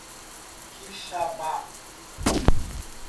Quixaba